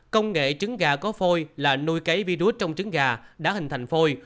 công nghệ trứng gà có phôi là nuôi cấy virus trong trứng gà đã hình thành phôi